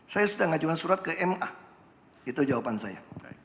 saya sudah mengajukan surat ke ma itu jawaban saya